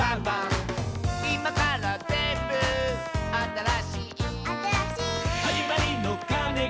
「いまからぜんぶあたらしい」「あたらしい」「はじまりのかねが」